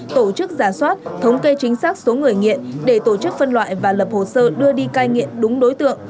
tổ chức giả soát thống kê chính xác số người nghiện để tổ chức phân loại và lập hồ sơ đưa đi cai nghiện đúng đối tượng